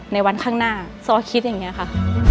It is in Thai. ในวันข้างหน้าซอสคิดอย่างนี้ค่ะ